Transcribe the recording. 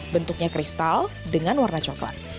bentuknya kristal dengan warna coklat